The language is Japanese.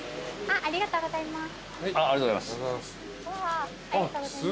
ありがとうございます。